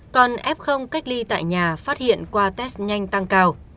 còn f cách ly tại nhà phát hiện qua test nhanh tăng cao